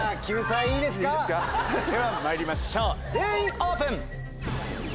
ではまいりましょう「全員オープン」。